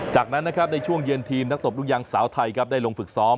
จากนั้นนะครับในช่วงเย็นทีมนักตบลูกยางสาวไทยครับได้ลงฝึกซ้อม